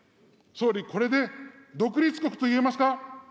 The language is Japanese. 総理、これで独立国と言えますか。